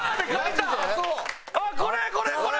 あっこれこれこれ！